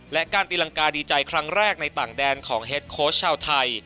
และการตีรังกาดีใจครั้งแรกในต่างแดนของเฮดโค้ชชาวไทย